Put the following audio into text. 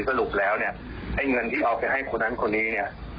สรุปแล้วให้เงินที่เอาไปให้คนละคนนี้